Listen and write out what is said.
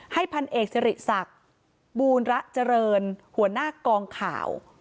ให้พันเอกเสร็จศักดิ์บูรณ์ระเจริญหัวหน้ากองข่าว